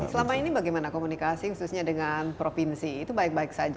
selama ini bagaimana komunikasi khususnya dengan provinsi itu baik baik saja